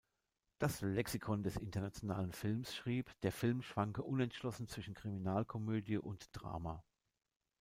Das "Lexikon des internationalen Films" schrieb, der Film schwanke "„unentschlossen zwischen Kriminalkomödie und Drama“".